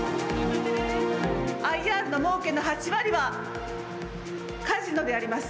ＩＲのもうけの８割はカジノであります。